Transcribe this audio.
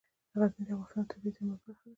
غزني د افغانستان د طبیعي زیرمو برخه ده.